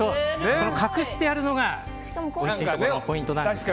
隠してあるのがおいしいポイントなんです。